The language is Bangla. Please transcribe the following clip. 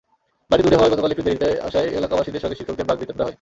বাড়ি দূরে হওয়ায় গতকাল একটু দেরিতে আসায় এলাকাবাসীর সঙ্গে শিক্ষকদের বাগ্বিতণ্ডা হয়।